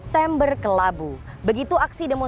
terima kasih will says saya